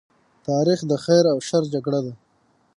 تاریخ د خیر او شر جګړه ده.